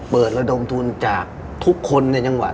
ระดมทุนจากทุกคนในจังหวัด